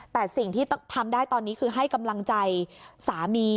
แต่สิ่งที่ทำได้ตอนนี้คือให้กำลังใจสามี